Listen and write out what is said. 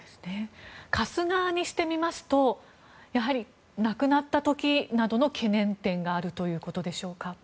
貸す側にしてみますと亡くなった時などの懸念点があるということでしょうか。